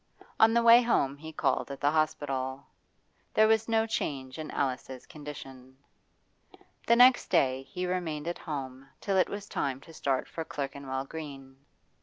On the way home he called at the hospital. There was no change in Alice's condition. The next day he remained at home till it was time to start for Clerkenwell Green.